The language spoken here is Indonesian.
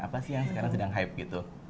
apa sih yang sekarang sedang hype gitu